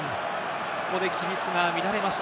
ここで規律が乱れました。